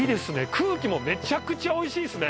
空気もめちゃくちゃおいしいですね。